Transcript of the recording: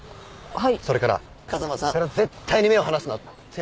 はい。